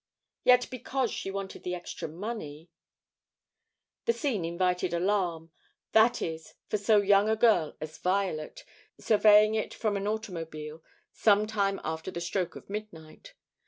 Yet because she wanted the extra money The scene invited alarm, that is, for so young a girl as Violet, surveying it from an automobile some time after the stroke of midnight.